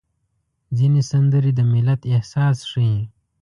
ځینې سندرې د ملت احساس ښيي.